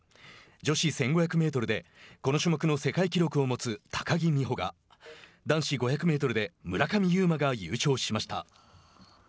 女子１５００メートルでこの種目の世界記録を持つ高木美帆が男子５００メートルで村上右磨が優勝しました。